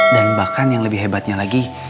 dan bahkan yang lebih hebatnya lagi